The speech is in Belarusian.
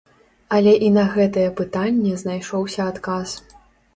Але і на гэтае пытанне знайшоўся адказ.